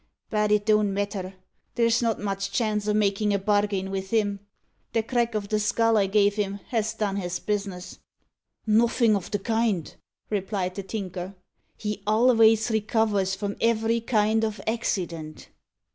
"But it don't matter. There's not much chance o' makin' a bargin vith him. The crack o' the skull I gave him has done his bus'ness." "Nuffin' o' the kind," replied the Tinker. "He alvays recovers from every kind of accident."